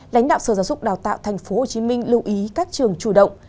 lãnh đạo sở giáo dục đào tạo tp hcm lưu ý các trường chủ động